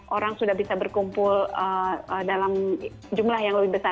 orang sudah bisa berkumpul dalam jumlah yang lebih besar